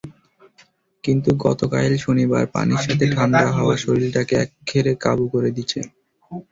কিন্তু গতকাইল শনিবার পানির সাথে ঠান্ডা হাওয়া শরীলটাক একখেরে কাবু করে দিছে।